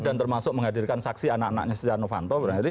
dan termasuk menghadirkan saksi anak anaknya istihano fano